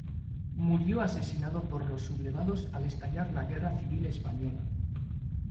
Murió asesinado por los sublevados al estallar la Guerra Civil Española.